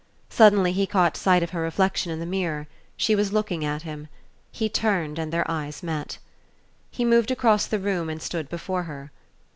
Suddenly he caught sight of her reflection in the mirror. She was looking at him. He turned and their eyes met. He moved across the room and stood before her.